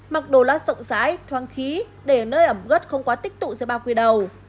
mặc đồ lá rộng rãi thoang khí để nơi ẩm gất không quá tích tụ dưới bao khuy đầu